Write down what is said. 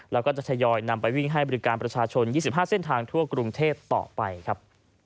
แล้วก็จะทยอยนำไปวิ่งให้บริการประชาชน๒๕เส้นทางทั่วกรุงเทพต่อไปครับ